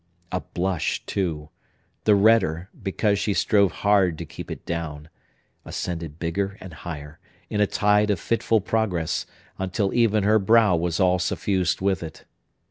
A blush, too,—the redder, because she strove hard to keep it down,—ascended bigger and higher, in a tide of fitful progress, until even her brow was all suffused with it.